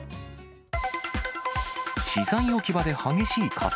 資材置き場で激しい火災。